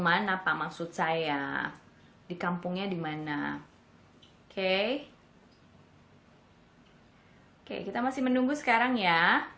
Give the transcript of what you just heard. mana pak maksud saya di kampungnya dimana oke kita masih menunggu sekarang ya